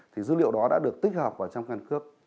thì dữ liệu đó đã được tích hợp vào trong căn cước